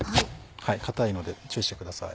硬いので注意してください。